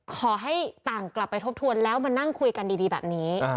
ขอให้ต่างกลับไปทบทวนแล้วมานั่งคุยกันดีแบบนี้